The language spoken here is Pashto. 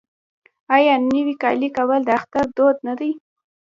آیا نوی کالی کول د اختر دود نه دی؟